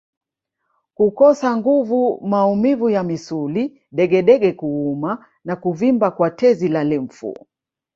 Kukosa nguvu maumivu ya misuli degedege kuuma na kuvimba kwa tezi za limfu